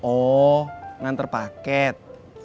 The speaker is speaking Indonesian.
oh nganter paket